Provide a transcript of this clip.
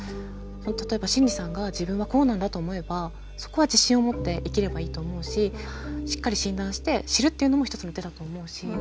例えばシンジさんが自分はこうなんだと思えばそこは自信を持って生きればいいと思うししっかり診断して知るっていうのも一つの手だと思うし。